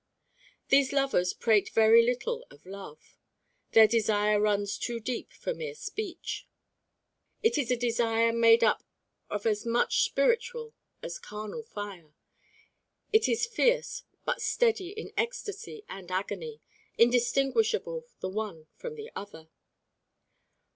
These lovers prate very little of love. Their desire runs too deep for mere speech. It is a desire made up of as much spiritual as carnal fire. It is fierce but steady in ecstacy and agony, indistinguishable the one from the other.